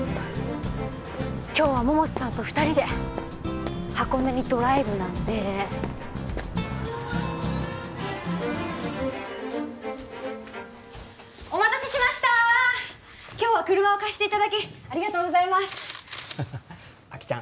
今日は百瀬さんと２人で箱根にドライブなんでお待たせしました今日は車を貸していただきありがとうございますあきちゃん